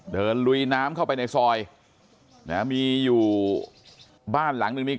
เดินลุยน้ำเข้าไปในซอยมีอยู่บ้านหลังนึงนะครับ